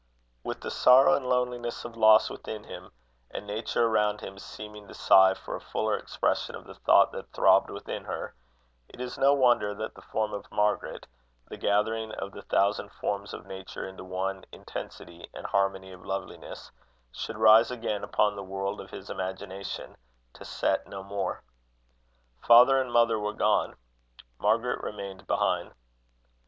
With the sorrow and loneliness of loss within him, and Nature around him seeming to sigh for a fuller expression of the thought that throbbed within her, it is no wonder that the form of Margaret, the gathering of the thousand forms of nature into one intensity and harmony of loveliness, should rise again upon the world of his imagination, to set no more. Father and mother were gone. Margaret remained behind.